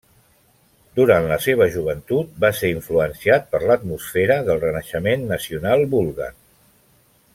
Durant la seva joventut va ser influenciat per l'atmosfera del Renaixement nacional búlgar.